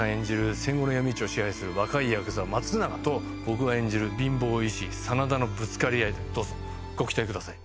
戦後の闇市を支配する若いヤクザ松永と僕が演じる貧乏医師真田のぶつかり合いご期待ください。